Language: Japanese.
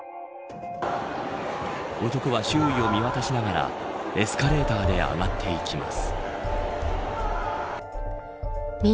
男は周囲を見渡しながらエスカレーターで上がっていきます。